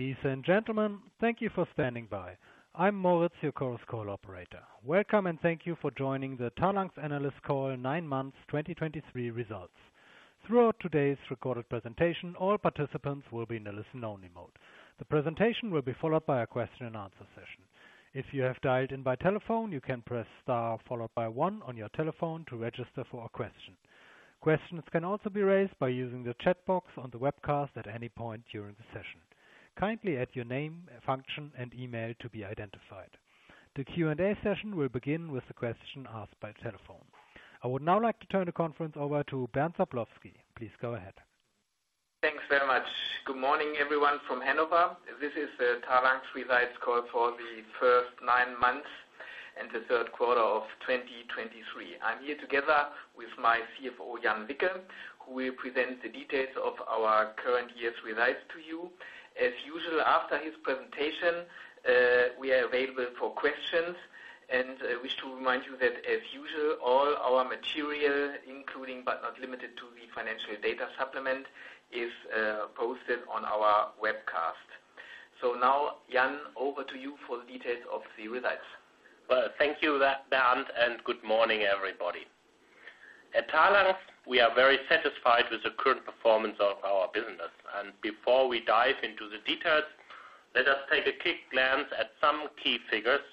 Ladies and gentlemen, thank you for standing by. I'm Moritz, your Chorus Call operator. Welcome, and thank you for joining the Talanx Analyst Call, 9 months 2023 results. Throughout today's recorded presentation, all participants will be in a listen-only mode. The presentation will be followed by a question-and-answer session. If you have dialed in by telephone, you can press star followed by one on your telephone to register for a question. Questions can also be raised by using the chat box on the webcast at any point during the session. Kindly add your name, function, and email to be identified. The Q&A session will begin with the question asked by telephone. I would now like to turn the conference over to Bernd Sablowsky. Please go ahead. Thanks very much. Good morning, everyone from Hannover. This is the Talanx results call for the first nine months and the third quarter of 2023. I'm here together with my CFO, Jan Wicke, who will present the details of our current year's results to you. As usual, after his presentation, we are available for questions and wish to remind you that, as usual, all our material, including but not limited to the financial data supplement, is posted on our webcast. So now, Jan, over to you for the details of the results. Well, thank you, Bernd, and good morning, everybody. At Talanx, we are very satisfied with the current performance of our business, and before we dive into the details, let us take a quick glance at some key figures,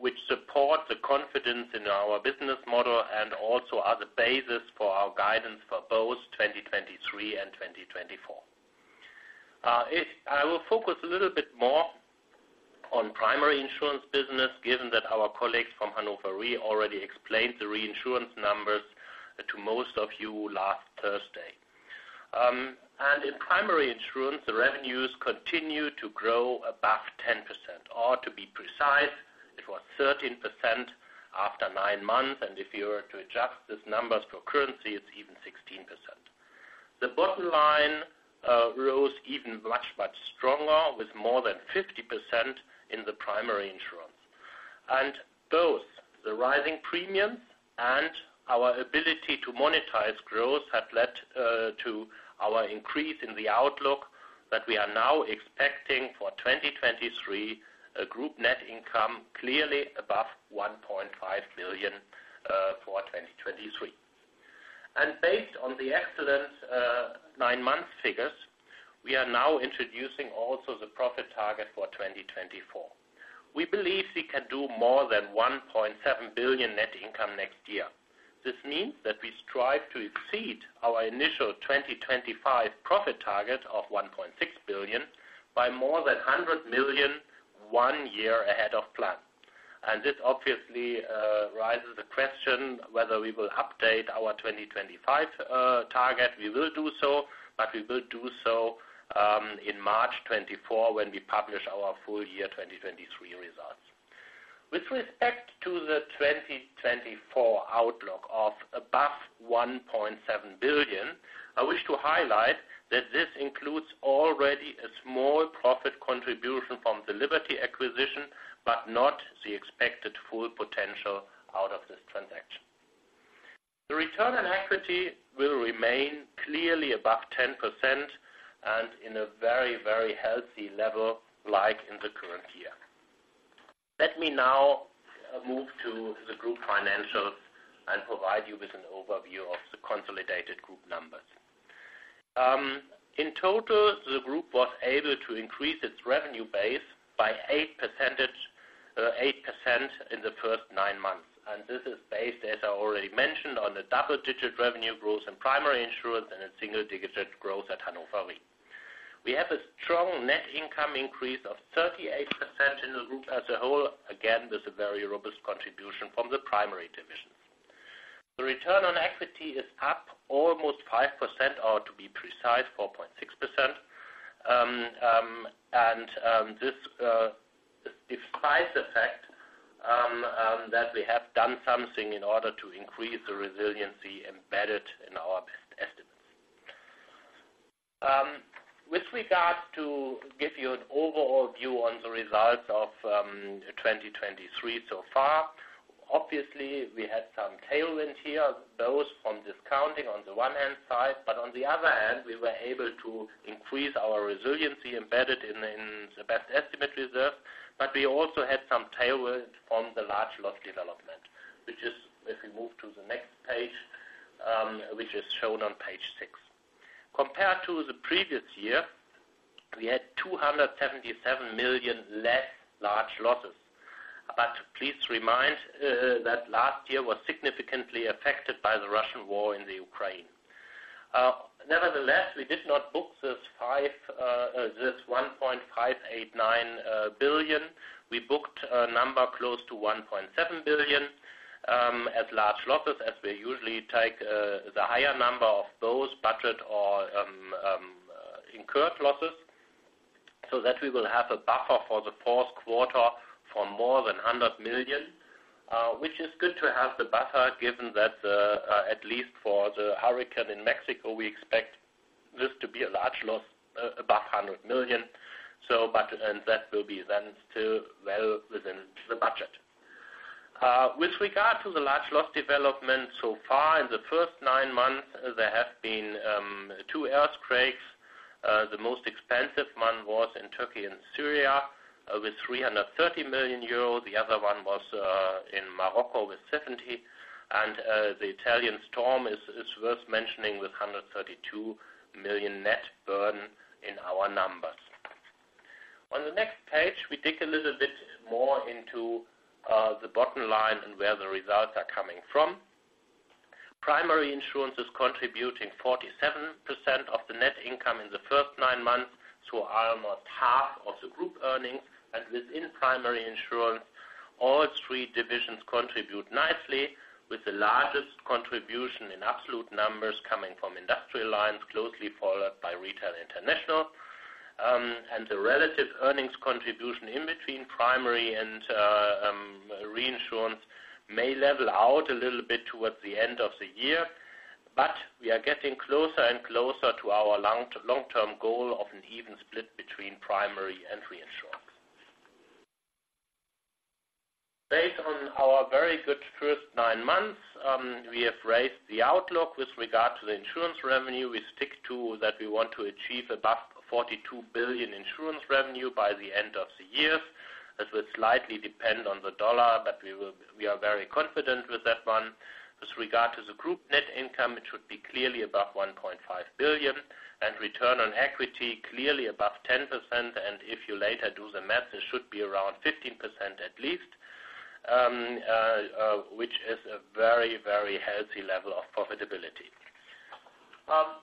which support the confidence in our business model and also are the basis for our guidance for both 2023 and 2024. I will focus a little bit more on primary insurance business, given that our colleagues from Hannover Re already explained the reinsurance numbers to most of you last Thursday. And in primary insurance, the revenues continue to grow above 10%, or to be precise, it was 13% after nine months, and if you were to adjust these numbers for currency, it's even 16%. The bottom line rose even much, much stronger, with more than 50% in the primary insurance. Both the rising premiums and our ability to monetize growth have led to our increase in the outlook that we are now expecting for 2023, a group net income clearly above 1.5 billion for 2023. Based on the excellent nine-month figures, we are now introducing also the profit target for 2024. We believe we can do more than 1.7 billion net income next year. This means that we strive to exceed our initial 2025 profit target of 1.6 billion by more than 100 million, one year ahead of plan. And this obviously rises the question whether we will update our 2025 target. We will do so, but we will do so in March 2024, when we publish our full year 2023 results. With respect to the 2024 outlook of above 1.7 billion, I wish to highlight that this includes already a small profit contribution from the Liberty acquisition, but not the expected full potential out of this transaction. The return on equity will remain clearly above 10% and in a very, very healthy level, like in the current year. Let me now move to the group financials and provide you with an overview of the consolidated group numbers. In total, the group was able to increase its revenue base by 8%, and this is based, as I already mentioned, on the double-digit revenue growth in primary insurance and a single-digit growth at Hannover Re. We have a strong net income increase of 38% in the group as a whole, again, with a very robust contribution from the primary division. The return on equity is up almost 5%, or to be precise, 4.6%. This defies the fact that we have done something in order to increase the resiliency embedded in our best estimates. With regards to give you an overall view on the results of 2023 so far, obviously, we had some tailwind here, both from discounting on the one hand side, but on the other hand, we were able to increase our resiliency embedded in the best estimate reserve, but we also had some tailwind from the large loss development, which is, if we move to the next page, which is shown on page 6. Compared to the previous year, we had 277 million less large losses. But please remind that last year was significantly affected by the Russian war in the Ukraine. Nevertheless, we did not book this five, this 1.589 billion. We booked a number close to 1.7 billion as large losses, as we usually take the higher number of those budget or incurred losses, so that we will have a buffer for the fourth quarter for more than 100 million. Which is good to have the buffer, given that at least for the hurricane in Mexico, we expect this to be a large loss above 100 million. So, but, and that will be then still well within the budget. With regard to the large loss development so far, in the first nine months, there have been two earthquakes. The most expensive one was in Turkey and Syria, with 330 million euro. The other one was in Morocco with 70 million, and the Italian storm is worth mentioning with 132 million net burn in our numbers. On the next page, we dig a little bit more into the bottom line and where the results are coming from. Primary insurance is contributing 47% of the net income in the first nine months, so almost half of the group earnings, and within primary insurance, all three divisions contribute nicely, with the largest contribution in absolute numbers coming from Industrial Lines, closely followed by Retail International. The relative earnings contribution in between primary and reinsurance may level out a little bit towards the end of the year, but we are getting closer and closer to our long, long-term goal of an even split between primary and reinsurance. Based on our very good first nine months, we have raised the outlook with regard to the insurance revenue. We stick to that we want to achieve above 42 billion insurance revenue by the end of the year. This will slightly depend on the dollar, but we will-- we are very confident with that one. With regard to the group net income, it should be clearly above 1.5 billion, and return on equity, clearly above 10%, and if you later do the math, it should be around 15% at least, which is a very, very healthy level of profitability.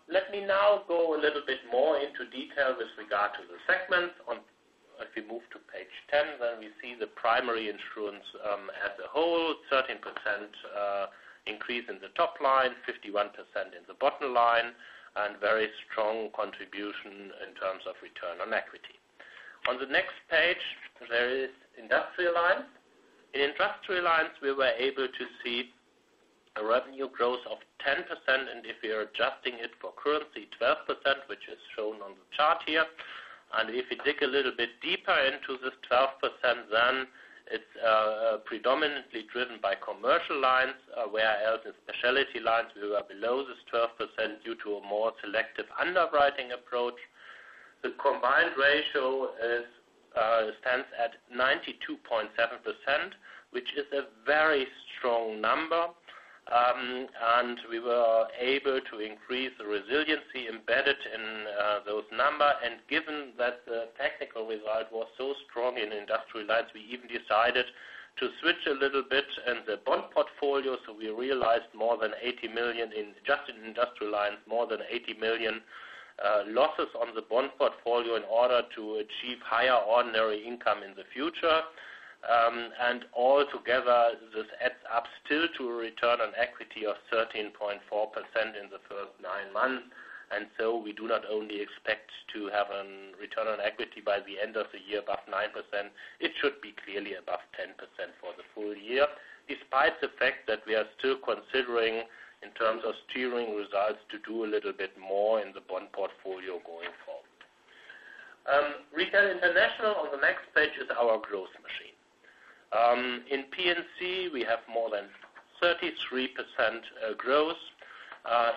Let me now go a little bit more into detail with regard to the segments. On, if we move to page 10, then we see the primary insurance, as a whole, 13% increase in the top line, 51% in the bottom line, and very strong contribution in terms of return on equity. On the next page, there is Industrial Lines. In Industrial Lines, we were able to see a revenue growth of 10%, and if you're adjusting it for currency, 12%, which is shown on the chart here. If you dig a little bit deeper into this 12%, then it's predominantly driven by commercial lines, whereas the specialty lines, we were below this 12% due to a more selective underwriting approach. The combined ratio stands at 92.7%, which is a very strong number. We were able to increase the resiliency embedded in those number, and given that the technical result was so strong in Industrial Lines, we even decided to switch a little bit in the bond portfolio, so we realized more than 80 million, just in Industrial Lines, more than 80 million losses on the bond portfolio in order to achieve higher ordinary income in the future. All together, this adds up still to a return on equity of 13.4% in the first nine months. And so we do not only expect to have a Return on Equity by the end of the year above 9%, it should be clearly above 10% for the full year, despite the fact that we are still considering, in terms of steering results, to do a little bit more in the bond portfolio going forward. Retail International, on the next page, is our growth machine. In P&C, we have more than 33% growth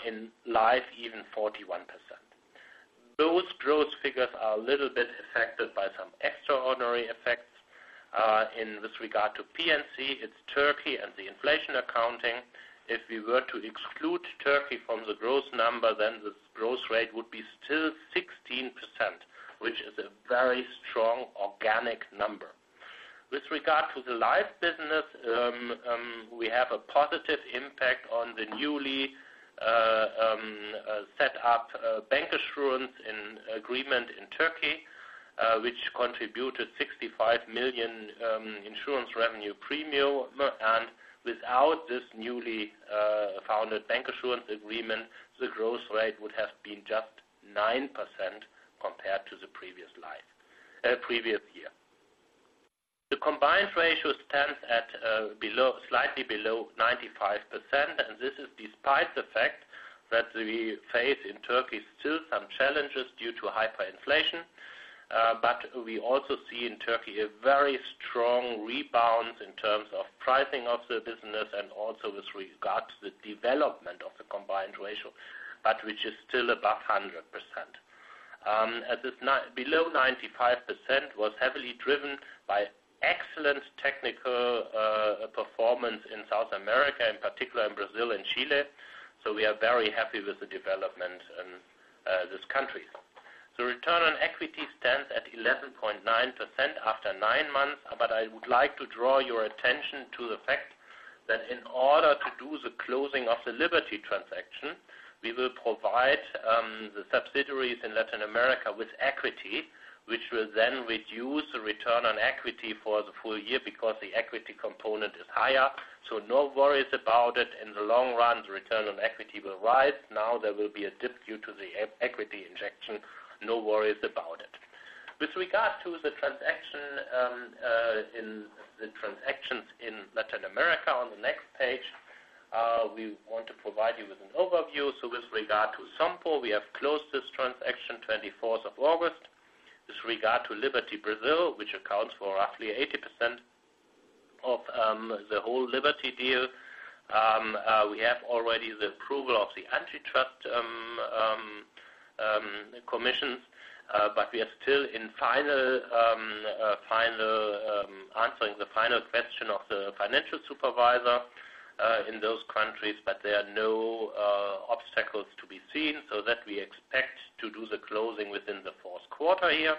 in life, even 41%. Those growth figures are a little bit affected by some extraordinary effects. In this regard to P&C, it's Turkey and the inflation accounting. If we were to exclude Turkey from the growth number, then this growth rate would be still 16%, which is a very strong organic number. With regard to the life business, we have a positive impact on the newly set up bancassurance agreement in Turkey, which contributed 65 million insurance revenue premium. And without this newly founded bancassurance agreement, the growth rate would have been just 9% compared to the previous life previous year. The combined ratio stands at slightly below 95%, and this is despite the fact that we face in Turkey still some challenges due to hyperinflation. But we also see in Turkey a very strong rebound in terms of pricing of the business and also with regard to the development of the combined ratio, but which is still above 100%. As it's now below 95% was heavily driven by excellent technical performance in South America, in particular in Brazil and Chile, so we are very happy with the development in these countries. The return on equity stands at 11.9% after 9 months, but I would like to draw your attention to the fact that in order to do the closing of the Liberty transaction, we will provide the subsidiaries in Latin America with equity, which will then reduce the return on equity for the full year because the equity component is higher. So no worries about it. In the long run, the return on equity will rise. Now, there will be a dip due to the equity injection. No worries about it. With regard to the transaction in the transactions in Latin America, on the next page... We want to provide you with an overview. So with regard to Sompo, we have closed this transaction twenty-fourth of August. With regard to Liberty Brazil, which accounts for roughly 80% of the whole Liberty deal, we have already the approval of the antitrust commissions, but we are still in final final answering the final question of the financial supervisor in those countries, but there are no obstacles to be seen, so that we expect to do the closing within the fourth quarter here.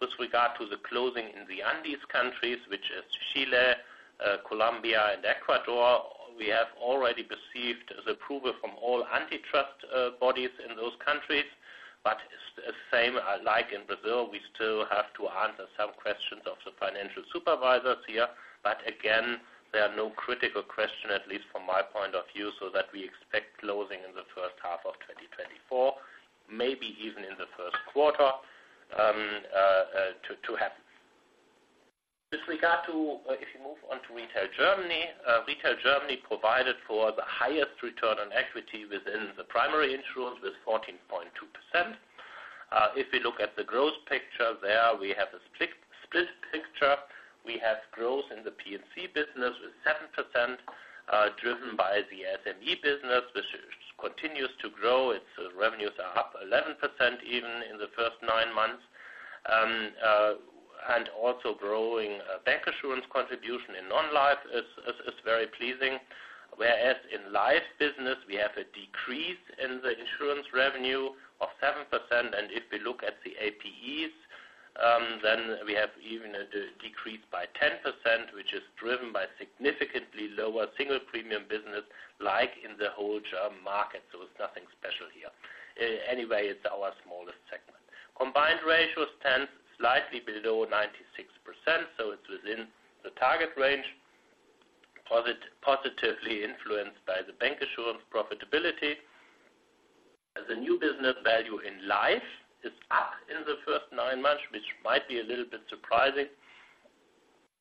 With regard to the closing in the Andes countries, which is Chile, Colombia, and Ecuador, we have already received the approval from all antitrust bodies in those countries. But same like in Brazil, we still have to answer some questions of the financial supervisors here. But again, there are no critical question, at least from my point of view, so that we expect closing in the first half of 2024, maybe even in the first quarter, to happen. With regard to, if you move on to Retail Germany, Retail Germany provided for the highest return on equity within the primary insurance with 14.2%. If we look at the growth picture there, we have a strict split picture. We have growth in the P&C business with 7%, driven by the SME business, which continues to grow. Its revenues are up 11%, even in the first nine months. And also growing, bancassurance contribution in non-life is very pleasing. Whereas in life business, we have a decrease in the insurance revenue of 7%, and if we look at the APEs, then we have even a decrease by 10%, which is driven by significantly lower single premium business, like in the whole German market. So it's nothing special here. Anyway, it's our smallest segment. Combined Ratio stands slightly below 96%, so it's within the target range, positively influenced by the bancassurance profitability. The new business value in life is up in the first nine months, which might be a little bit surprising.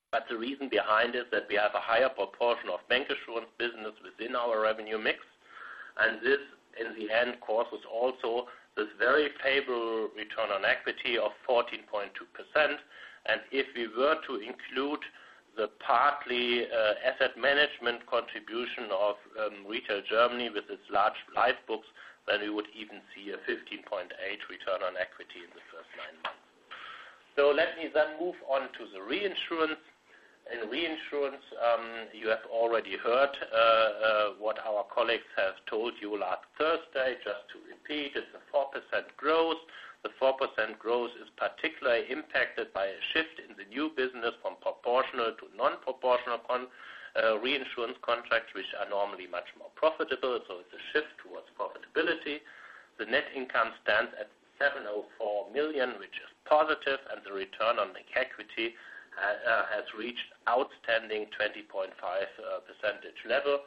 But the reason behind it, that we have a higher proportion of bancassurance business within our revenue mix, and this, in the end, causes also this very favorable return on equity of 14.2%. And if we were to include the partly asset management contribution of Retail Germany with its large life books, then we would even see a 15.8 return on equity in the first nine months. So let me then move on to the reinsurance. In reinsurance, you have already heard what our colleagues have told you last Thursday. Just to repeat, it's a 4% growth. The 4% growth is particularly impacted by a shift in the new business from proportional to non-proportional reinsurance contracts, which are normally much more profitable, so it's a shift towards profitability. The net income stands at 704 million, which is positive, and the return on equity has reached outstanding 20.5% level.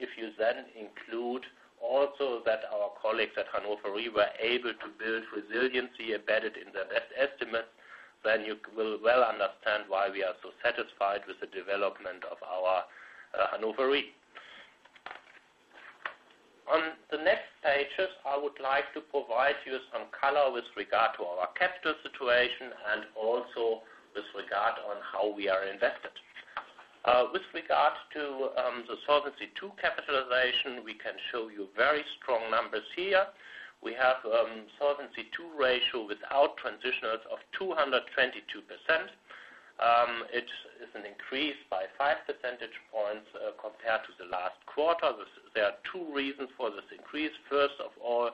If you then include also that our colleagues at Hannover Re were able to build resiliency embedded in their best estimate, then you will well understand why we are so satisfied with the development of our Hannover Re. On the next pages, I would like to provide you some color with regard to our capital situation and also with regard on how we are invested. With regard to the Solvency II capitalization, we can show you very strong numbers here. We have Solvency II ratio without transitionals of 222%. It is an increase by five percentage points compared to the last quarter. There are two reasons for this increase. First of all,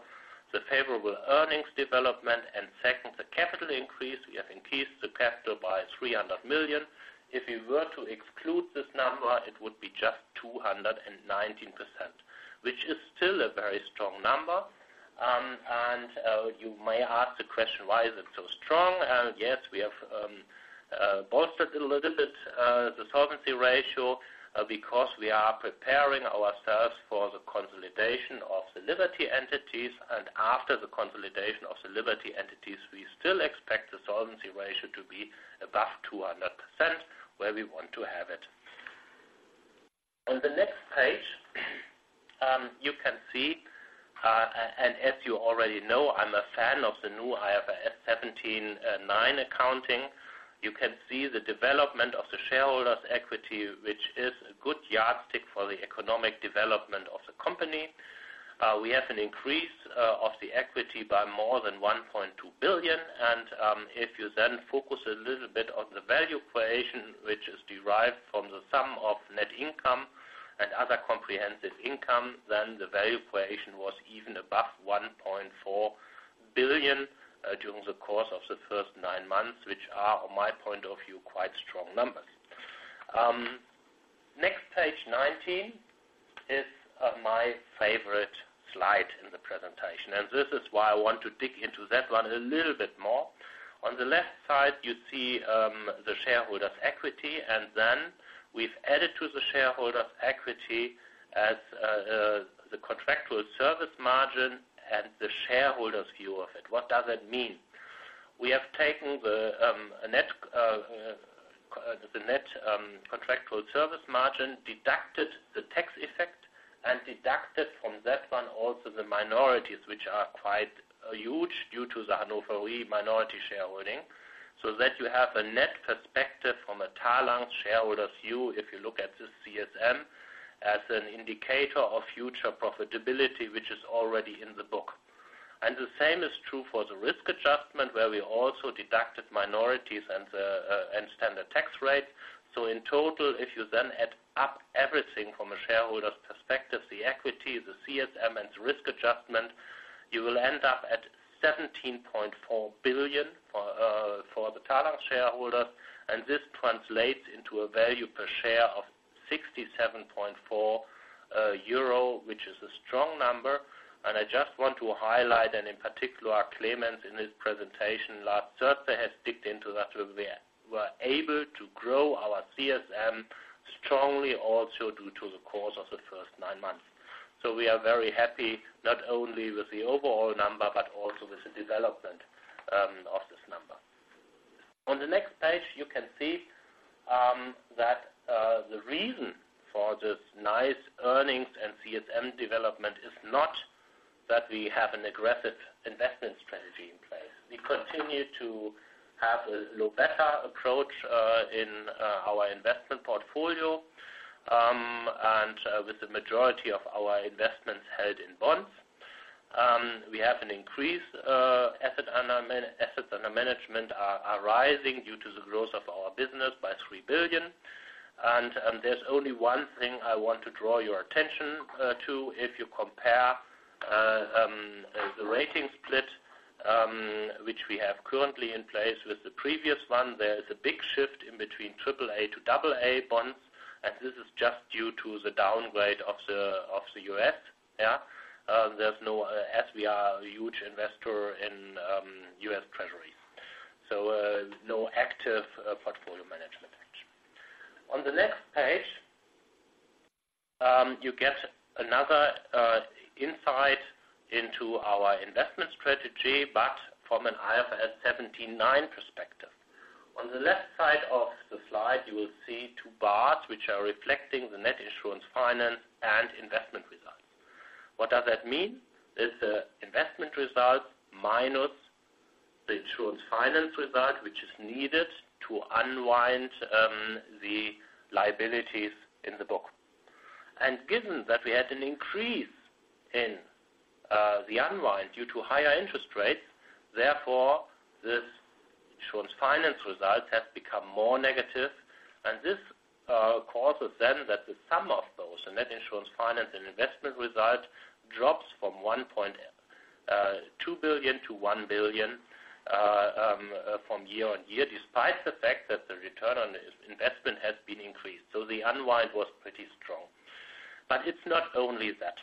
the favorable earnings development, and second, the capital increase. We have increased the capital by 300 million. If we were to exclude this number, it would be just 219%, which is still a very strong number. You may ask the question, why is it so strong? Yes, we have bolstered a little bit the solvency ratio because we are preparing ourselves for the consolidation of the Liberty entities. After the consolidation of the Liberty entities, we still expect the solvency ratio to be above 200%, where we want to have it. On the next page, you can see, and as you already know, I'm a fan of the new IFRS 17, 9 accounting. You can see the development of the shareholders' equity, which is a good yardstick for the economic development of the company. We have an increase of the equity by more than 1.2 billion. If you then focus a little bit on the value creation, which is derived from the sum of net income and other comprehensive income, then the value creation was even above 1.4 billion during the course of the first nine months, which are, on my point of view, quite strong numbers. Next page 19 is my favorite slide in the presentation, and this is why I want to dig into that one a little bit more. On the left side, you see the shareholders' equity, and then we've added to the shareholders' equity the contractual service margin and the shareholders' view of it. What does it mean?... We have taken the net contractual service margin, deducted the tax effect, and deducted from that one also the minorities, which are quite huge due to the Hannover Re minority shareholding, so that you have a net perspective from a Talanx shareholder's view, if you look at this CSM as an indicator of future profitability, which is already in the book. And the same is true for the risk adjustment, where we also deducted minorities and the standard tax rate. So in total, if you then add up everything from a shareholder's perspective, the equity, the CSM, and risk adjustment, you will end up at 17.4 billion for the Talanx shareholders, and this translates into a value per share of 67.4 euro, which is a strong number. I just want to highlight, and in particular, Clemens, in his presentation last Thursday, has dug into that we were able to grow our CSM strongly also due to the course of the first nine months. So we are very happy, not only with the overall number, but also with the development of this number. On the next page, you can see that the reason for this nice earnings and CSM development is not that we have an aggressive investment strategy in place. We continue to have a low beta approach in our investment portfolio, and with the majority of our investments held in bonds. We have increased assets under management, which are rising due to the growth of our business by 3 billion. And, and there's only one thing I want to draw your attention to. If you compare the rating split, which we have currently in place with the previous one, there is a big shift in between triple A to double A bonds, and this is just due to the downgrade of the, of the U.S. There's no, as we are a huge investor in, U.S. Treasury. So, no active, portfolio management action. On the next page, you get another, insight into our investment strategy, but from an IFRS 17/9 perspective. On the left side of the slide, you will see two bars, which are reflecting the net insurance, finance, and investment results. What does that mean? It's the investment result minus the insurance finance result, which is needed to unwind, the liabilities in the book. Given that we had an increase in the unwind due to higher interest rates, therefore, this insurance finance result has become more negative. And this causes then that the sum of those, the net insurance, finance, and investment result, drops from 1.2 billion to 1 billion year-on-year, despite the fact that the return on investment has been increased. So the unwind was pretty strong. But it's not only that.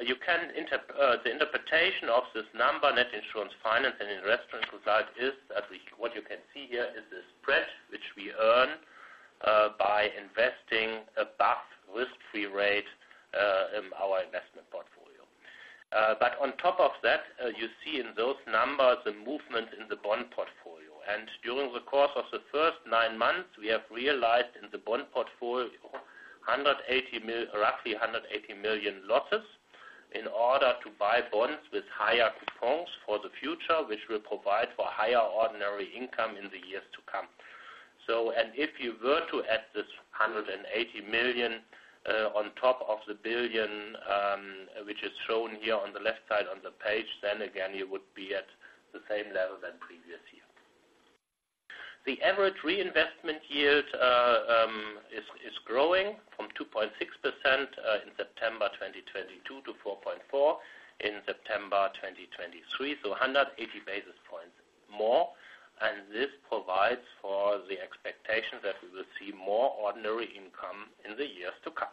You can interpret the interpretation of this number, net insurance, finance, and investment result, is that we, what you can see here is the spread, which we earn by investing above risk-free rate in our investment portfolio. But on top of that, you see in those numbers a movement in the bond portfolio. During the course of the first nine months, we have realized in the bond portfolio roughly 180 million losses in order to buy bonds with higher coupons for the future, which will provide for higher ordinary income in the years to come. So, and if you were to add this 180 million on top of the 1 billion, which is shown here on the left side on the page, then again, you would be at the same level than previous year. The average reinvestment yield is growing from 2.6% in September 2022 to 4.4% in September 2023, so 180 basis points more. This provides for the expectation that we will see more ordinary income in the years to come.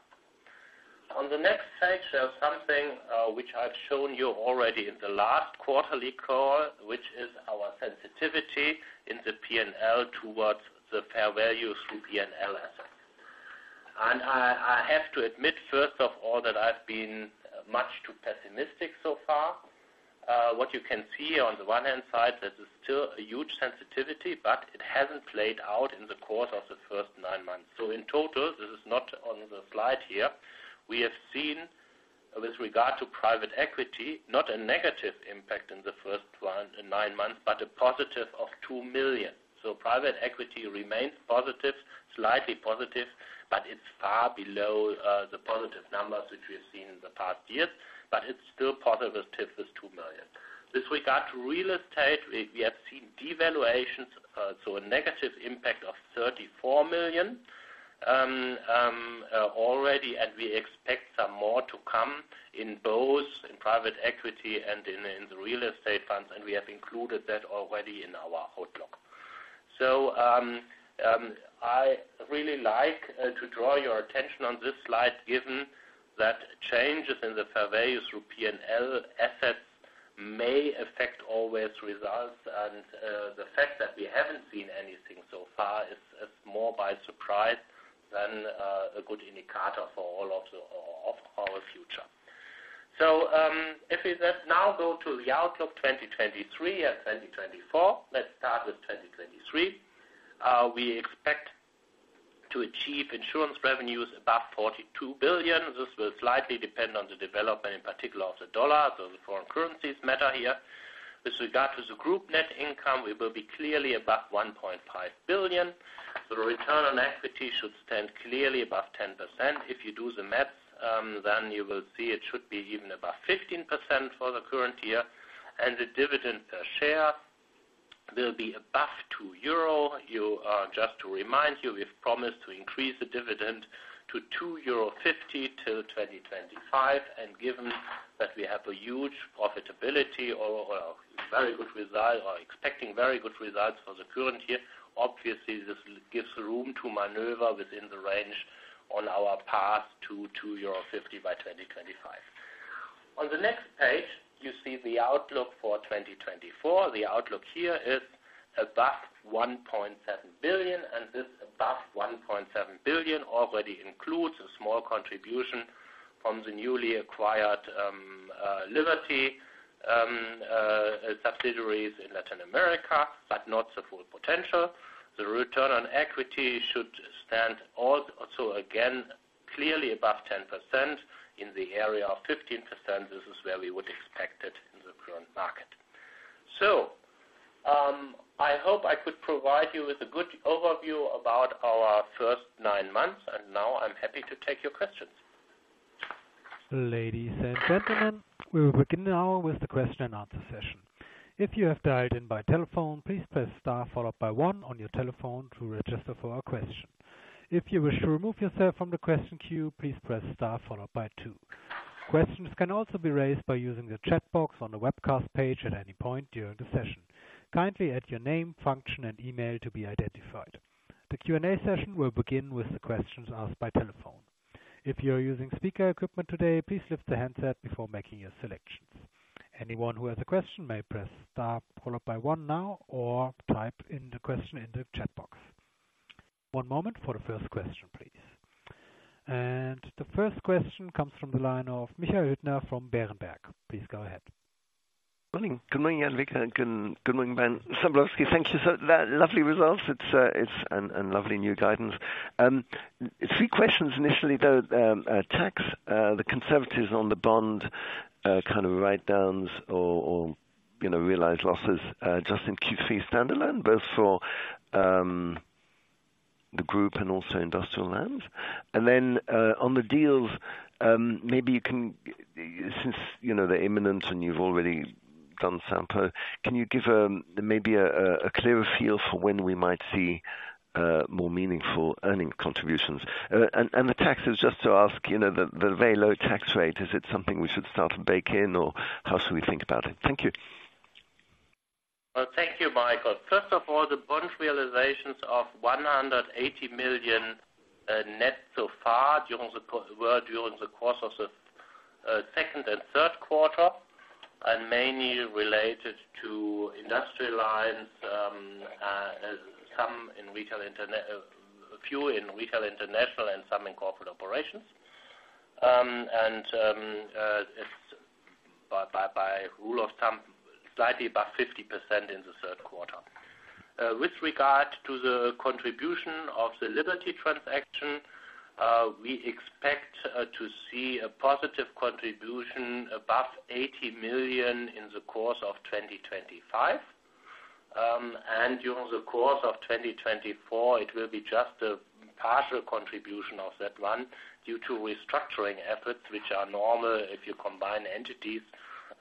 On the next page, there's something, which I've shown you already in the last quarterly call, which is our sensitivity in the P&L towards the Fair Value Through P&L assets. I have to admit, first of all, that I've been much too pessimistic so far. What you can see on the one hand side, this is still a huge sensitivity, but it hasn't played out in the course of the first nine months. In total, this is not on the slide here, we have seen, with regard to private equity, not a negative impact in the first nine months, but a positive of 2 million. Private equity remains positive, slightly positive, but it's far below, the positive numbers which we have seen in the past years, but it's still positive with 2 million. With regard to real estate, we have seen devaluations, so a negative impact of 34 million already, and we expect some more to come in both private equity and the real estate funds, and we have included that already in our outlook. So, I really like to draw your attention on this slide, given that changes in the fair value through P&L assets may affect our results, and the fact that we haven't seen anything so far is more a surprise than a good indicator for all of our future. So, if we just now go to the outlook 2023 and 2024, let's start with 2023. We expect to achieve insurance revenues above 42 billion. This will slightly depend on the development, in particular of the US dollar, so the foreign currencies matter here. With regard to the group net income, we will be clearly above 1.5 billion. The return on equity should stand clearly above 10%. If you do the math, then you will see it should be even above 15% for the current year, and the dividend per share will be above 2 euro. You just to remind you, we've promised to increase the dividend to 2.50 euro till 2025, and given that we have a huge profitability or, or very good results, or expecting very good results for the current year, obviously, this gives room to maneuver within the range on our path to 2.50 by 2025. On the next page, you see the outlook for 2024. The outlook here is above 1.7 billion, and this above 1.7 billion already includes a small contribution from the newly acquired Liberty subsidiaries in Latin America, but not the full potential. The return on equity should stand all, so again, clearly above 10% in the area of 15%. This is where we would expect it in the current market. So, I hope I could provide you with a good overview about our first nine months, and now I'm happy to take your questions. Ladies and gentlemen, we will begin now with the question and answer session. If you have dialed in by telephone, please press star followed by one on your telephone to register for a question. If you wish to remove yourself from the question queue, please press star followed by two. Questions can also be raised by using the chat box on the webcast page at any point during the session. Kindly add your name, function, and email to be identified. The Q&A session will begin with the questions asked by telephone. If you're using speaker equipment today, please lift the handset before making your selections. Anyone who has a question may press star followed by one now, or type in the question in the chat box. One moment for the first question, please. And the first question comes from the line of Michael Huttner from Berenberg. Please go ahead. Good morning, Jan Wicke and good morning, Bernd Sablowsky. Thank you, sir. Those lovely results. It's, and lovely new guidance. Three questions initially, though. Next, the conservatism on the bond kind of write-downs or, you know, realized losses, just in Q3 standalone, both for the group and also Industrial Lines. And then, on the deals, maybe you can, since, you know, they're imminent and you've already done Sompo, can you give, maybe a clearer feel for when we might see more meaningful earnings contributions? And the third, just to ask, you know, the very low tax rate, is it something we should start to bake in, or how should we think about it? Thank you. Well, thank you, Michael. First of all, the bond realizations of 180 million net so far during the course of the second and third quarter, and mainly related to Industrial Lines, some in Retail International, a few in Retail International, and some in Corporate Operations. It's by rule of thumb slightly above 50% in the third quarter. With regard to the contribution of the Liberty transaction, we expect to see a positive contribution above 80 million in the course of 2025. And during the course of 2024, it will be just a partial contribution of that one due to restructuring efforts, which are normal if you combine entities.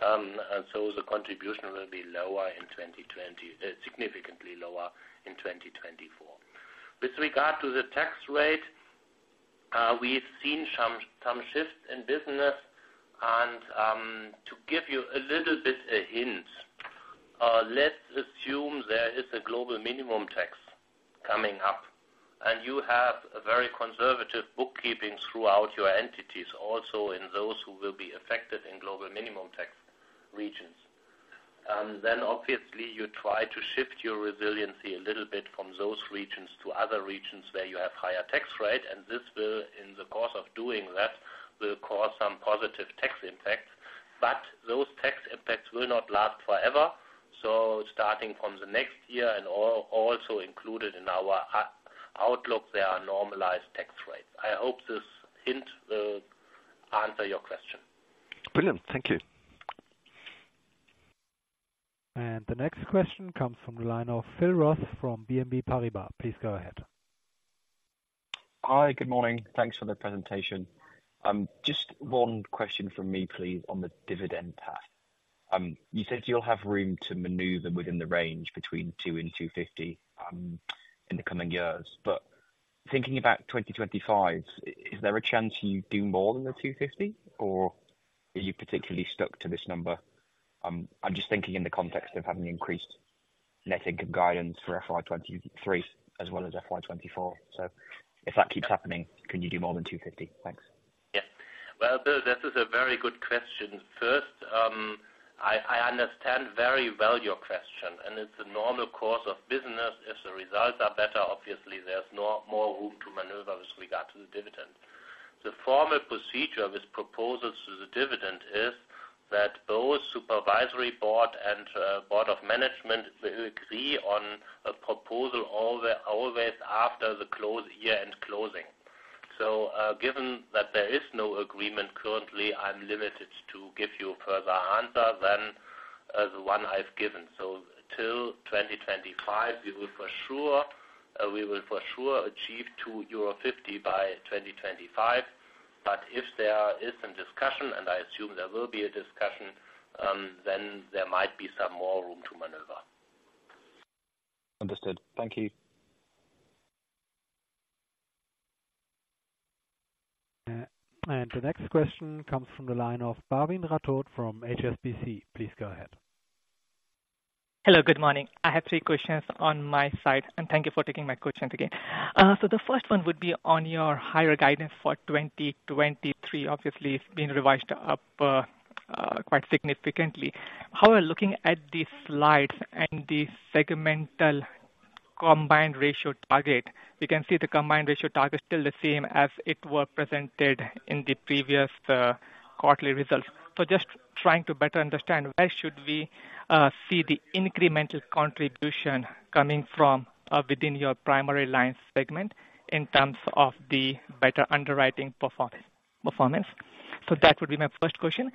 And so the contribution will be lower, significantly lower in 2024. With regard to the tax rate, we've seen some shifts in business, and to give you a little bit a hint, let's assume there is a global minimum tax coming up, and you have a very conservative bookkeeping throughout your entities, also in those who will be affected in global minimum tax regions. Then obviously, you try to shift your resiliency a little bit from those regions to other regions where you have higher tax rate, and this will, in the course of doing that, will cause some positive tax impact. But those tax impacts will not last forever. So starting from the next year and also included in our outlook, there are normalized tax rates. I hope this hint answer your question. Brilliant. Thank you. The next question comes from the line of Phil Ross from BNP Paribas. Please go ahead. Hi, good morning. Thanks for the presentation. Just one question from me, please, on the dividend path. You said you'll have room to maneuver within the range between 2 and 2.50, in the coming years. But thinking about 2025, is there a chance you do more than the 2.50, or are you particularly stuck to this number? I'm just thinking in the context of having increased net income guidance for FY 2023 as well as FY 2024. So if that keeps happening, can you do more than 2.50? Thanks. Yes. Well, Phil, this is a very good question. First, I understand very well your question, and it's a normal course of business. If the results are better, obviously, there's no more room to maneuver with regard to the dividend. The formal procedure with proposals to the dividend is that both supervisory board and board of management will agree on a proposal always after the close year and closing. So, given that there is no agreement currently, I'm limited to give you further answer than the one I've given. So till 2025, we will for sure, we will for sure achieve euro 2.50 by 2025. But if there is some discussion, and I assume there will be a discussion, then there might be some more room to maneuver. Understood. Thank you. The next question comes from the line of Bhavin Rathod from HSBC. Please go ahead. Hello, good morning. I have three questions on my side, and thank you for taking my questions again. So the first one would be on your higher guidance for 2023. Obviously, it's been revised up quite significantly. However, looking at the slides and the segmental Combined Ratio target, we can see the Combined Ratio target is still the same as it were presented in the previous quarterly results. So just trying to better understand, where should we see the incremental contribution coming from within your primary line segment in terms of the better underwriting performance? So that would be my first question.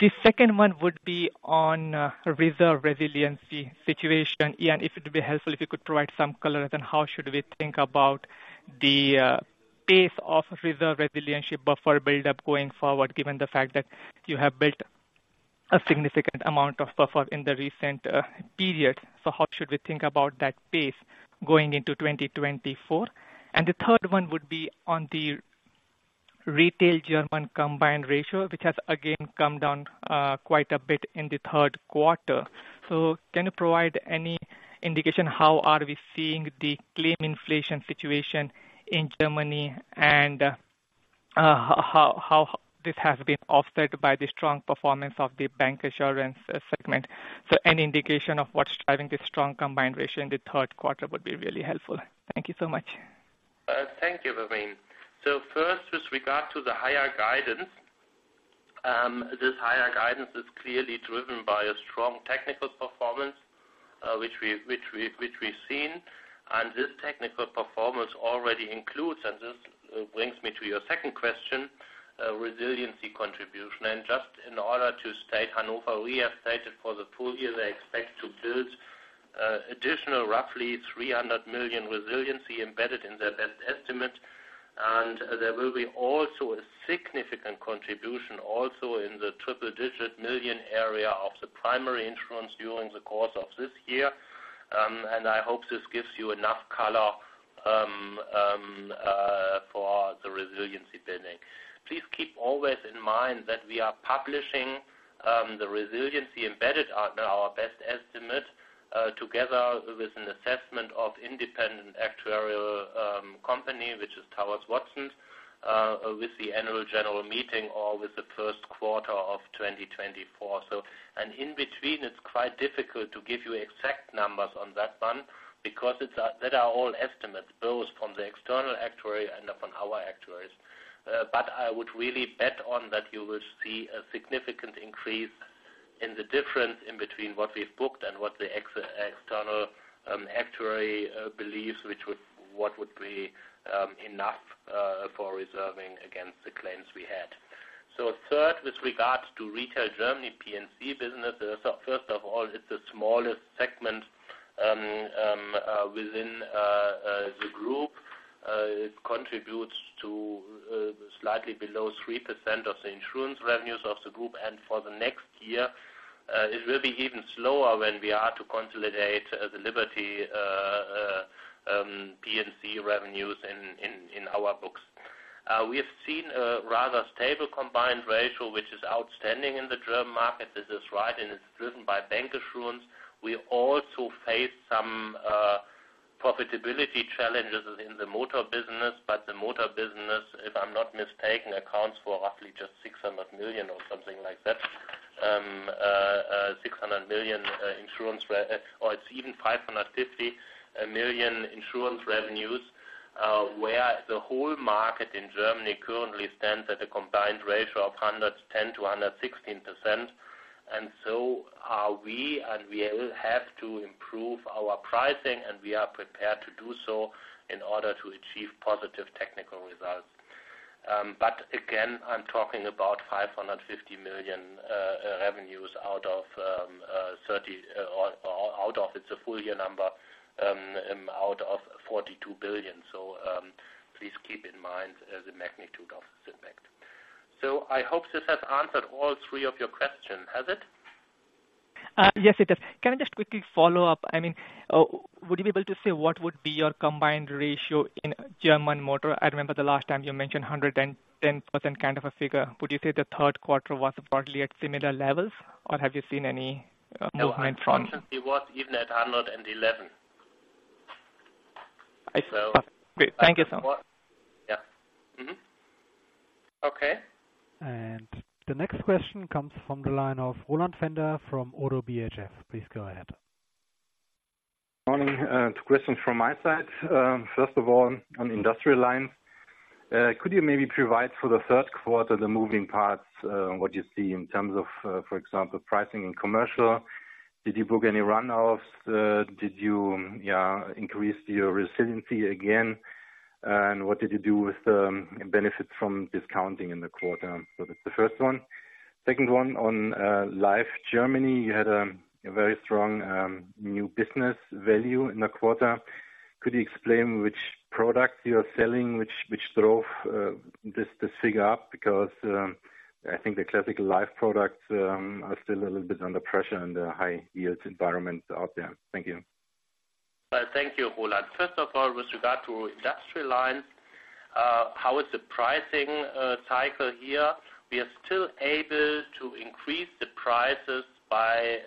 The second one would be on reserve resiliency situation. Jan, if it would be helpful, if you could provide some color, and then how should we think about the pace of reserve resiliency buffer buildup going forward, given the fact that you have built a significant amount of buffer in the recent period. So how should we think about that pace going into 2024? And the third one would be on the retail German combined ratio, which has again come down quite a bit in the third quarter. So can you provide any indication, how are we seeing the claim inflation situation in Germany, and how this has been offset by the strong performance of the bancassurance segment? So any indication of what's driving the strong combined ratio in the third quarter would be really helpful. Thank you so much. Thank you, Bhavin. So first, with regard to the higher guidance, this higher guidance is clearly driven by a strong technical performance, which we've seen. And this technical performance already includes, and this brings me to your second question, resiliency contribution. And just in order to state Hannover, we have stated for the full year, they expect to build additional roughly 300 million resiliency embedded in their best estimate. And there will be also a significant contribution also in the triple-digit million area of the primary insurance during the course of this year. And I hope this gives you enough color for the resiliency building. Please keep always in mind that we are publishing the resiliency embedded at our best estimate together with an assessment of independent actuarial company, which is Towers Watson, with the annual general meeting or with the first quarter of 2024. In between, it's quite difficult to give you exact numbers on that one because that are all estimates, both from the external actuary and upon our actuaries. But I would really bet on that you will see a significant increase in the difference in between what we've booked and what the external actuary believes, which would be enough for reserving against the claims we had. Third, with regards to Retail Germany, P&C business, first of all, it's the smallest segment within the group. It contributes to slightly below 3% of the insurance revenues of the group, and for the next year, it will be even slower when we are to consolidate the Liberty P&C revenues in our books. We have seen a rather stable combined ratio, which is outstanding in the German market. This is right, and it's driven by bancassurance. We also face some profitability challenges in the motor business, but the motor business, if I'm not mistaken, accounts for roughly just 600 million or something like that or it's even 550 million insurance revenues, where the whole market in Germany currently stands at a combined ratio of 110%-116%. And so, we will have to improve our pricing, and we are prepared to do so in order to achieve positive technical results. But again, I'm talking about 550 million revenues out of 30 out of, it's a full year number, out of 42 billion. So please keep in mind the magnitude of the segment. So I hope this has answered all three of your questions. Has it? Yes, it does. Can I just quickly follow up? I mean, would you be able to say what would be your combined ratio in German motor? I remember the last time you mentioned 110%, kind of a figure. Would you say the third quarter was broadly at similar levels, or have you seen any movement from- No, I thought it was even at 111. I see. So- Great. Thank you, sir.... Okay. The next question comes from the line of Roland Pfänder from Oddo BHF. Please go ahead. Morning, two questions from my side. First of all, on Industrial Lines, could you maybe provide for the third quarter, the moving parts, what you see in terms of, for example, pricing and commercial? Did you book any runoffs? Did you, yeah, increase your resiliency again? And what did you do with, benefit from discounting in the quarter? So that's the first one. Second one, on, life Germany, you had, a very strong, new business value in the quarter. Could you explain which product you are selling, which, which drove, this, this figure up? Because, I think the classical life products, are still a little bit under pressure in the high yields environment out there. Thank you. Well, thank you, Roland. First of all, with regard to Industrial Lines, how is the pricing cycle here? We are still able to increase the prices by,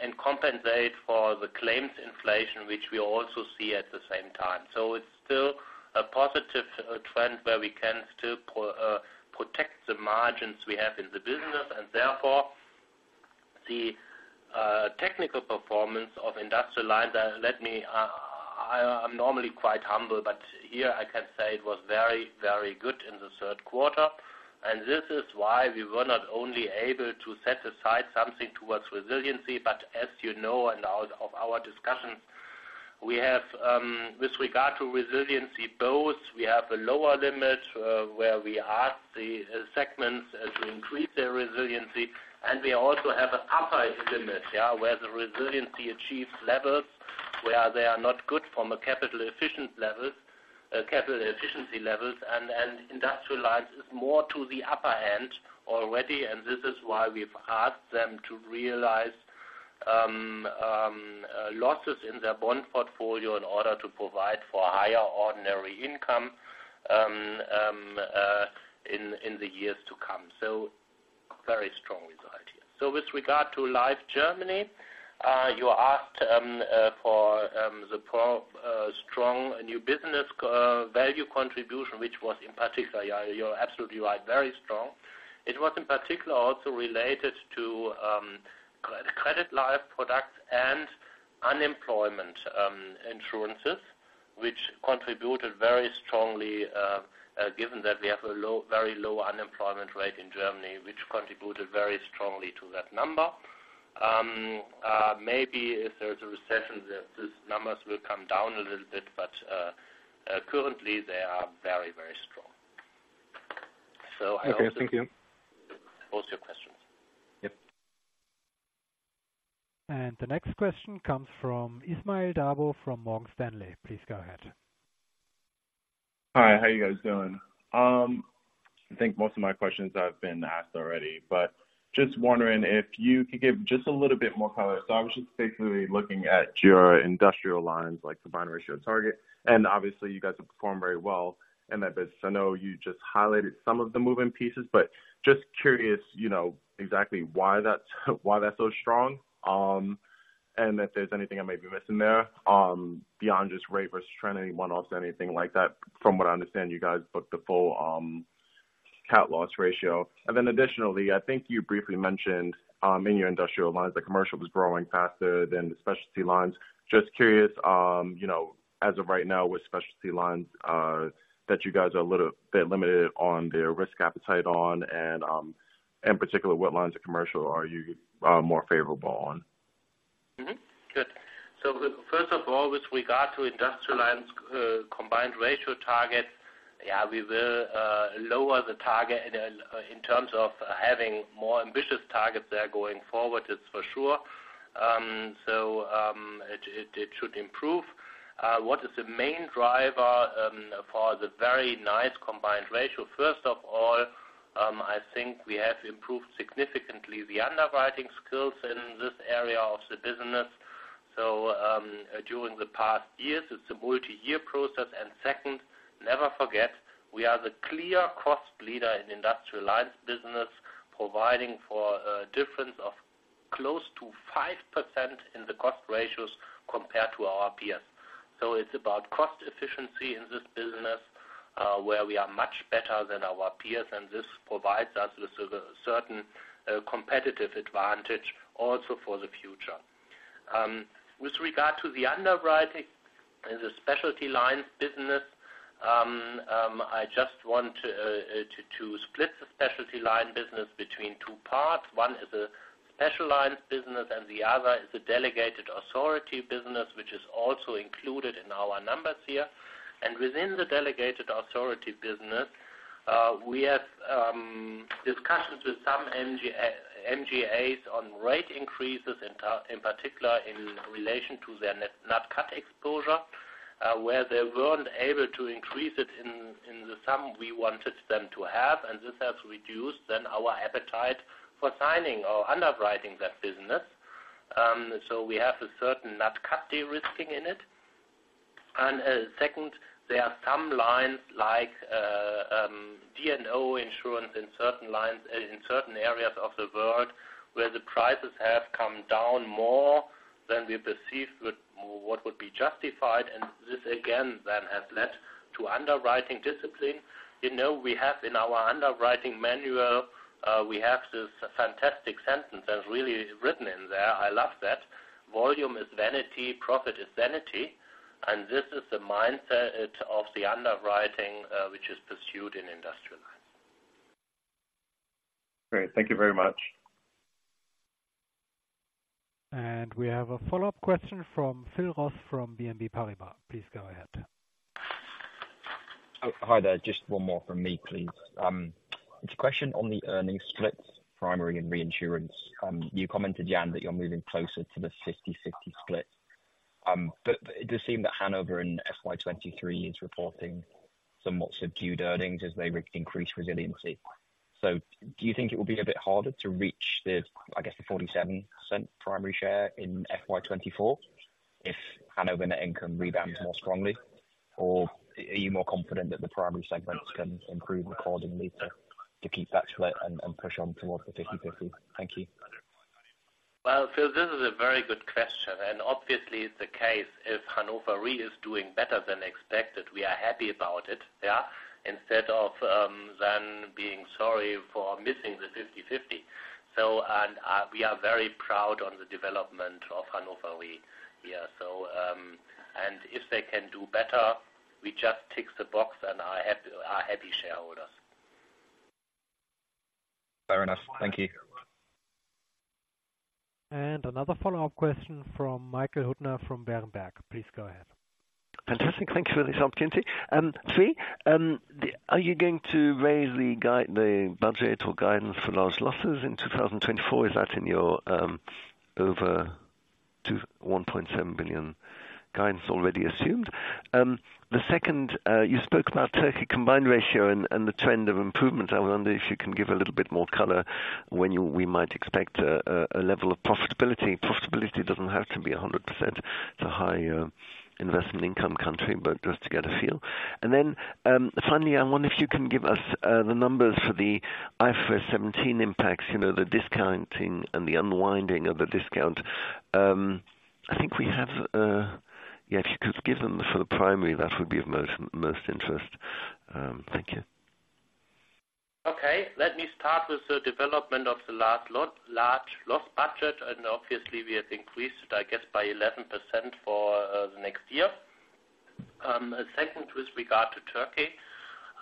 and compensate for the claims inflation, which we also see at the same time. So it's still a positive trend where we can still protect the margins we have in the business, and therefore, the technical performance of Industrial Lines, let me, I'm normally quite humble, but here I can say it was very, very good in the third quarter. This is why we were not only able to set aside something towards resiliency, but as you know, and out of our discussions, we have, with regard to resiliency, both we have a lower limit, where we ask the segments as we increase their resiliency, and we also have an upper limit, where the resiliency achieves levels, where they are not good from a capital efficiency levels, and Industrial Lines is more to the upper end already, and this is why we've asked them to realize, losses in their bond portfolio in order to provide for higher ordinary income, in the years to come. So very strong result here. So with regard to life Germany, you asked for the strong new business value contribution, which was in particular, yeah, you're absolutely right, very strong. It was in particular also related to credit life products and unemployment insurances, which contributed very strongly given that we have a low, very low unemployment rate in Germany, which contributed very strongly to that number. Maybe if there's a recession, these numbers will come down a little bit, but currently, they are very, very strong. So I hope- Okay, thank you. Those your questions? Yep. The next question comes from Ismael Dabo, from Morgan Stanley. Please go ahead. Hi, how are you guys doing? I think most of my questions have been asked already, but just wondering if you could give just a little bit more color. So I was just basically looking at your Industrial Lines, like the binary show target, and obviously, you guys have performed very well in that business. I know you just highlighted some of the moving pieces, but just curious, you know, exactly why that's, why that's so strong, and if there's anything I may be missing there, beyond just rate versus trend, anyone else, anything like that. From what I understand, you guys booked the full cat loss ratio. And then additionally, I think you briefly mentioned, in your Industrial Lines, the commercial was growing faster than the specialty lines. Just curious, you know, as of right now, with specialty lines that you guys are a little bit limited on their risk appetite on, and in particular, what lines of commercial are you more favorable on? Mm-hmm. Good. So first of all, with regard to Industrial Lines, combined ratio target, yeah, we will lower the target in terms of having more ambitious targets there going forward, it's for sure. So, it should improve. What is the main driver for the very nice combined ratio? First of all, I think we have improved significantly the underwriting skills in this area of the business. So, during the past years, it's a multi-year process, and second, never forget, we are the clear cost leader in Industrial Lines business, providing for a difference of close to 5% in the cost ratios compared to our peers. So it's about cost efficiency in this business, where we are much better than our peers, and this provides us with a certain competitive advantage also for the future. With regard to the underwriting in the specialty lines business, I just want to split the specialty line business between two parts. One is a specialized business, and the other is a delegated authority business, which is also included in our numbers here. And within the delegated authority business, we have discussions with some MGAs on rate increases, in particular, in relation to their net cat exposure, where they weren't able to increase it in the sum we wanted them to have, and this has reduced then our appetite for signing or underwriting that business. So we have a certain net cat de-risking in it. And second, there are some lines like D&O insurance in certain lines, in certain areas of the world, where the prices have come down more. than we perceived with what would be justified, and this again, then, has led to underwriting discipline. You know, we have in our underwriting manual, we have this fantastic sentence that really is written in there. I love that. Volume is vanity, profit is sanity, and this is the mindset of the underwriting, which is pursued in Industrial Lines. Great. Thank you very much. We have a follow-up question from Phil Ross from BNP Paribas. Please go ahead. Oh, hi there. Just one more from me, please. It's a question on the earnings split, primary and reinsurance. You commented, Jan, that you're moving closer to the 50/50 split. But it does seem that Hannover in FY 2023 is reporting some more subdued earnings as they increase resiliency. So do you think it will be a bit harder to reach the, I guess, the 47% primary share in FY 2024, if Hannover net income rebounds more strongly? Or are you more confident that the primary segments can improve accordingly to keep that split and push on towards the 50/50? Thank you. Well, Phil, this is a very good question, and obviously it's the case if Hannover Re is doing better than expected, we are happy about it, yeah. Instead of then being sorry for missing the 50/50. So, and, we are very proud on the development of Hannover Re. Yeah, so, and if they can do better, we just tick the box, and I have happy shareholders. Fair enough. Thank you. Another follow-up question from Michael Huttner from Berenberg. Please go ahead. Fantastic. Thank you for this opportunity. Three, are you going to raise the guide, the budget or guidance for large losses in 2024? Is that in your over to 1.7 billion guidance already assumed? The second, you spoke about Turkey combined ratio and the trend of improvement. I wonder if you can give a little bit more color when we might expect a level of profitability. Profitability doesn't have to be 100%. It's a high investment income country, but just to get a feel. And then, finally, I wonder if you can give us the numbers for the IFRS 17 impacts, you know, the discounting and the unwinding of the discount. I think we have... Yeah, if you could give them for the primary, that would be of most, most interest. Thank you. Okay, let me start with the development of the large loss budget, and obviously we have increased it, I guess, by 11% for the next year. Second, with regard to Turkey,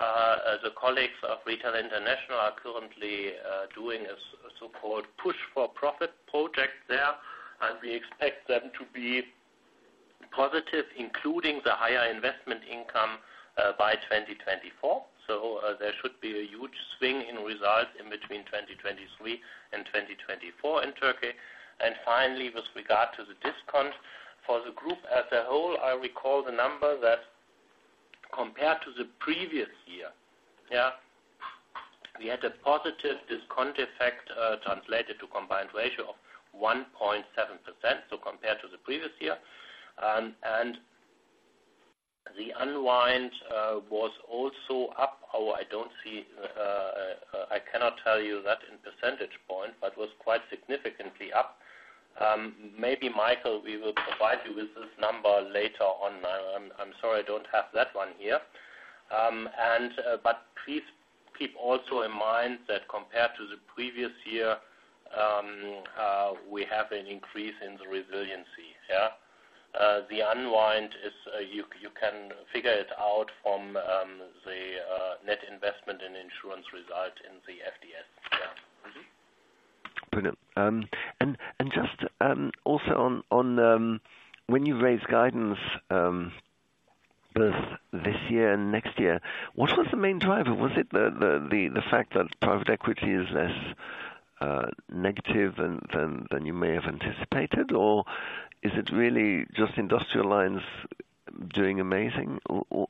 the colleagues of Retail International are currently doing a so-called push for profit project there, and we expect them to be positive, including the higher investment income, by 2024. So, there should be a huge swing in results in between 2023 and 2024 in Turkey. And finally, with regard to the discount. For the group as a whole, I recall the number that compared to the previous year, yeah, we had a positive discount effect translated to Combined Ratio of 1.7%, so compared to the previous year. And the Unwind was also up. Oh, I don't see. I cannot tell you that in percentage point, but was quite significantly up. Maybe Michael, we will provide you with this number later on. I'm sorry, I don't have that one here. But please keep also in mind that compared to the previous year, we have an increase in the resiliency, yeah. The unwind is. You can figure it out from the net investment in insurance result in the FDS, yeah. Mm-hmm. Brilliant. And just also on when you raised guidance both this year and next year, what was the main driver? Was it the fact that private equity is less negative than you may have anticipated? Or is it really just Industrial Lines doing amazing? Or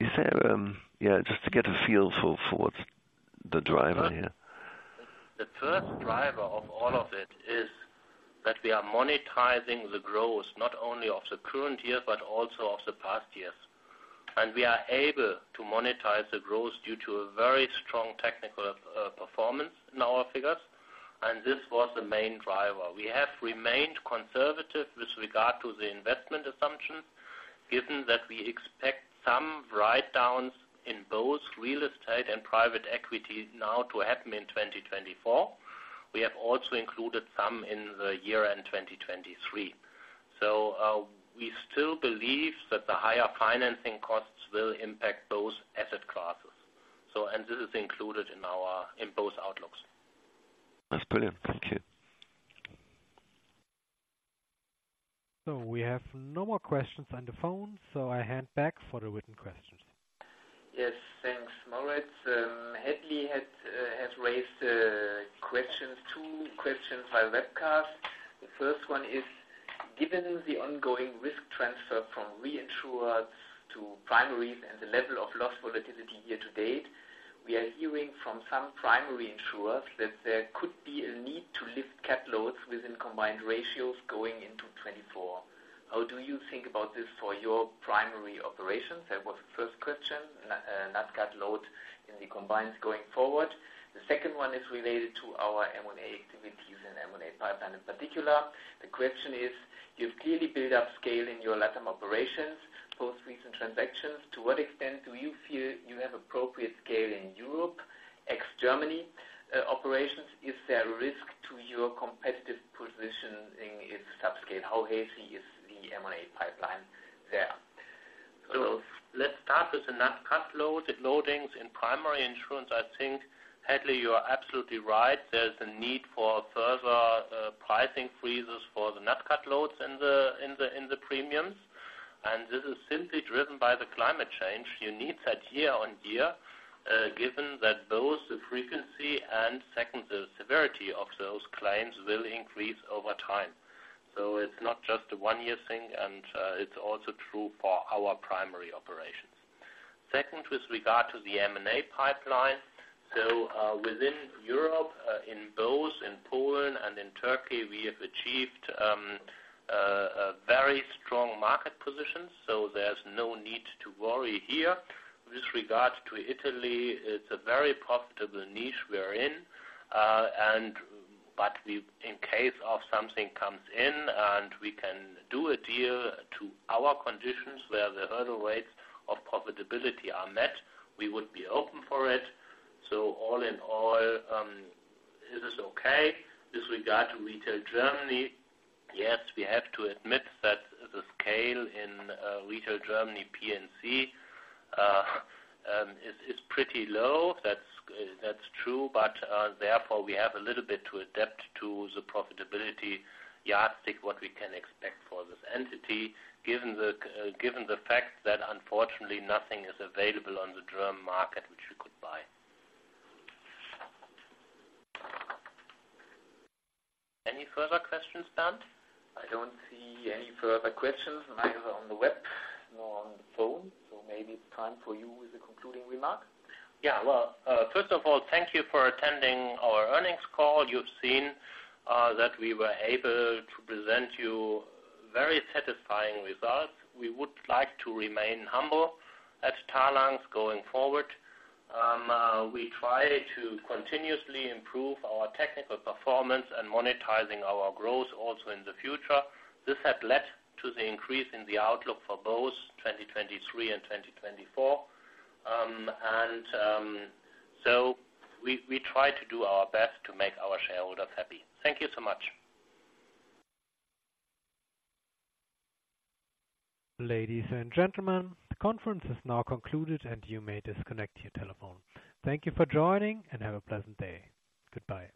is there... Yeah, just to get a feel for what's the driver here. The first driver of all of it is that we are monetizing the growth, not only of the current year, but also of the past years. And we are able to monetize the growth due to a very strong technical performance in our figures, and this was the main driver. We have remained conservative with regard to the investment assumptions, given that we expect some writedowns in both real estate and private equity now to happen in 2024. We have also included some in the year-end, 2023. So, we still believe that the higher financing costs will impact those asset classes. So, and this is included in our, in both outlooks. That's brilliant. Thank you. We have no more questions on the phone, so I hand back for the written questions. Yes, thanks, Moritz. Hadley has raised two questions by webcast. The first one is: Given the ongoing risk transfer from reinsurers to primaries and the level of loss volatility year to date, we are hearing from some primary insurers that there could be a need to lift cat loads within combined ratios going into 2024. How do you think about this for your primary operations? That was the first question, net cat load in the combined ratios going forward. The second one is related to our M&A activities and M&A pipeline in particular. The question is, you've clearly built up scale in your Latin operations, post recent transactions. To what extent do you feel you have appropriate scale in Europe, ex-Germany, operations? Is there a risk to your competitive positioning if sub-scale, how hazy is the M&A pipeline there? So let's start with the nat cat load. Loadings in primary insurance, I think, Hadley, you are absolutely right. There's a need for further pricing freezes for the nat cat loads in the premiums. And this is simply driven by the climate change. You need that year on year, given that both the frequency and second, the severity of those claims will increase over time. So it's not just a one-year thing, and it's also true for our primary operations. Second, with regard to the M&A pipeline. So within Europe, in both in Poland and in Turkey, we have achieved a very strong market position, so there's no need to worry here. With regards to Italy, it's a very profitable niche we're in. But we-- in case something comes in, and we can do a deal to our conditions, where the hurdle rates of profitability are met, we would be open for it. So all in all, this is okay. With regard to retail Germany, yes, we have to admit that the scale in retail Germany, P&C, is pretty low. That's true, but therefore, we have a little bit to adapt to the profitability yardstick, what we can expect for this entity, given the fact that unfortunately, nothing is available on the German market, which we could buy. Any further questions, Bernd? I don't see any further questions, neither on the web nor on the phone, so maybe it's time for you with the concluding remarks. Yeah. Well, first of all, thank you for attending our earnings call. You've seen that we were able to present you very satisfying results. We would like to remain humble at Talanx going forward. We try to continuously improve our technical performance and monetizing our growth also in the future. This had led to the increase in the outlook for both 2023 and 2024. So we try to do our best to make our shareholders happy. Thank you so much. Ladies and gentlemen, the conference is now concluded, and you may disconnect your telephone. Thank you for joining, and have a pleasant day. Goodbye.